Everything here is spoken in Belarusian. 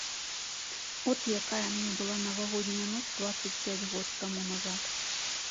От якая мне была навагодняя ноч дваццаць пяць год таму назад.